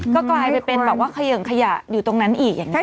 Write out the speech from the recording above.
ก็กลายไปเป็นแบบว่าเขย่งขยะอยู่ตรงนั้นอีกอย่างนี้